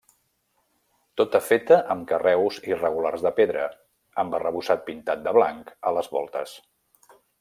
Tota feta amb carreus irregulars de pedra, amb arrebossat pintat de blanc a les voltes.